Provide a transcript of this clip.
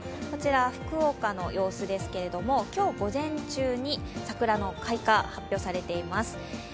こちら、福岡の様子ですけれども今日午前中に、桜の開花発表されています。